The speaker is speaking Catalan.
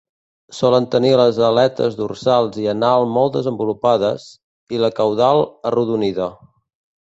Solen tenir les aletes dorsal i anal molt desenvolupades, i la caudal arrodonida.